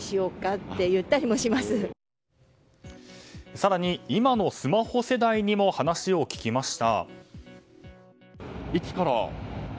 更に今のスマホ世代にも話を聞きました。